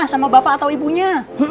sama bapak atau ibunya